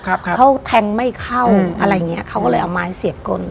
เขาแทงไม่เข้าอะไรอย่างเงี้ยเขาก็เลยเอาไม้เสียบกล